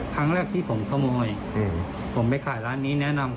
ครั้งแรกที่ผมขโมยผมไปขายร้านนี้แนะนำ